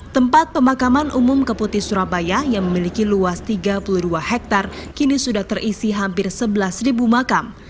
tempat pemakaman umum keputi surabaya yang memiliki luas tiga puluh dua hektare kini sudah terisi hampir sebelas makam